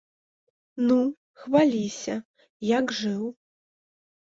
Ну, хваліся, як жыў?